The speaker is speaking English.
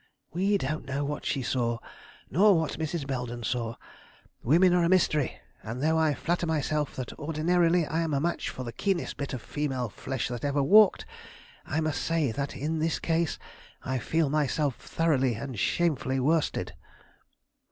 "We don't know what she saw, nor what Mrs. Belden saw. Women are a mystery; and though I flatter myself that ordinarily I am a match for the keenest bit of female flesh that ever walked, I must say that in this case I feel myself thoroughly and shamefully worsted."